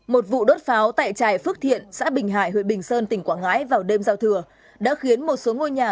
một vụ đốt pháo tại trài phước thiện xã bình hải huyện bình sơn tỉnh quảng ngãi vào đêm giao thừa đã khiến một số ngôi nhà